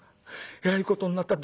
えらいことになった。